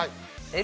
Ｌ。